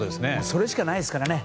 それしかないですからね。